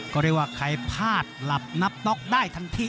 ก็เรียกว่าใครพลาดหลับนับน็อกได้ทันที